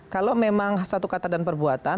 kalau memang satu kata dan perbuatan